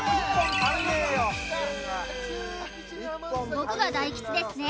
「僕が大吉ですね」